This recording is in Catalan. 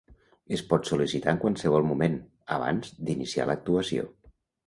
Es pot sol·licitar en qualsevol moment, abans d'iniciar l'actuació.